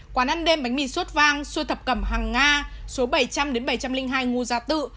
quán ăn đêm bánh mì suốt vang xua thập cẩm hàng nga số bảy trăm linh bảy trăm linh hai ngu gia tự